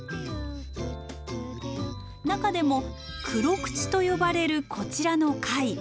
中でも「クロクチ」と呼ばれるこちらの貝。